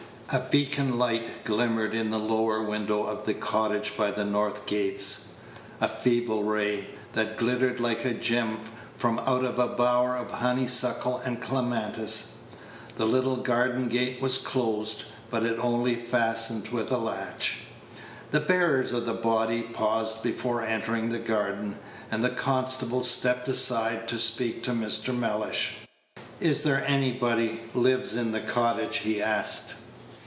A beacon light glimmered in the lower window of the cottage by the north gates a feeble ray, that glittered like a gem from out a bower of honeysuckle and clematis. The little garden gate was closed, but it only fastened with a latch. The bearers of the body paused before entering the garden, and the constable stepped aside to speak to Mr. Mellish. "Is there anybody lives in the cottage?" he asked.